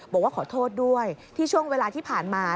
บอกว่าขอโทษด้วยที่ช่วงเวลาที่ผ่านมา